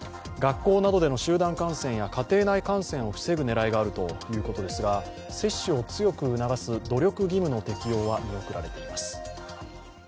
学校などでの集団感染や家庭内感染を防ぐ狙いがあるということですが、接種を強く促す努力義務の適用は見送られています。